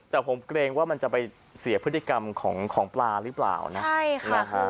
แต่ผมเกรงว่ามันจะไปเสียพฤติกรรมของปลาหรือเปล่านะใช่ค่ะนะฮะ